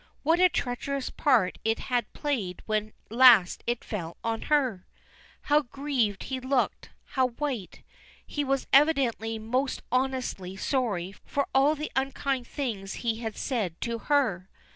What a treacherous part it had played when last it fell on her! How grieved he looked how white! He was evidently most honestly sorry for all the unkind things he had said to her.